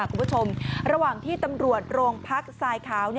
คุณผู้ชมระหว่างที่ตำรวจโรงพักทรายขาว